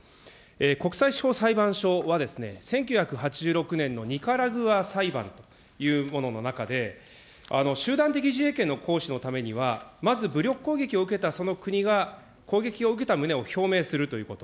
国際司法裁判所はですね、１９８６年のニカラグア裁判というものの中で、集団的自衛権の行使のためには、まず武力攻撃を受けたその国が、攻撃を受けた旨を表明するということ。